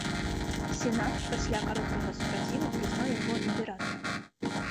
Сенат, пасля кароткага супраціву, прызнаў яго імператарам.